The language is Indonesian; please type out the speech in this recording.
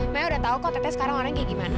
mai udah tahu kok tete sekarang orangnya kayak gimana